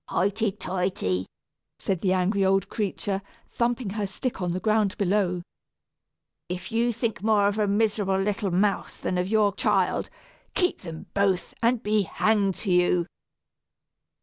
"Hoity toity!" said the angry old creature, thumping her stick on the ground below. "If you think more of a miserable little mouse than of your child, keep them both, and be hanged to you!"